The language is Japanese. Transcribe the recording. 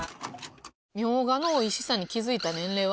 「みょうがのおいしさに気付いた年齢は？」